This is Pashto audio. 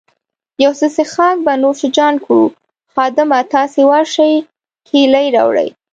یو څه څیښاک به نوش جان کړو، خادمه، تاسي ورشئ کیلۍ راوړئ.